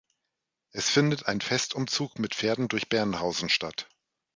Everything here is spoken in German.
Es findet ein Festumzug mit Pferden durch Bernhausen statt.